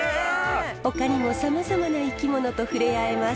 ほかにもさまざまな生き物と触れ合えます。